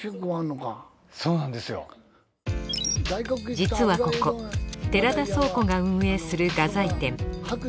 実はここ寺田倉庫が運営する画材店。